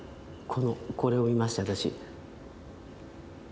これを見ました私。